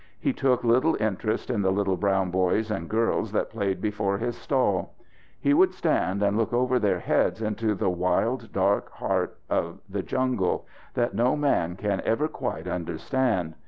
He took little interest in the little brown boys and girls that played before his stall. He would stand and look over their heads into the wild, dark heart of the jungle that no man can ever quite understand.